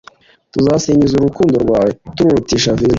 Tuzasingiza urukundo rwawe tururutisha vino